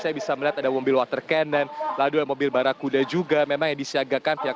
saya bisa melihat ada mobil water cannon lalu mobil barah kuda juga memang disiagakan pihak